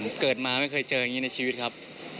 ผมเกิดมาไม่เคยเจออย่างนี้ในชีวิตครับ